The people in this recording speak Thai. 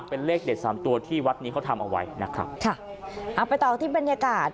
เป็นเลขเด็ดสามตัวที่วัดนี้เขาทำเอาไว้นะครับค่ะเอาไปต่อที่บรรยากาศ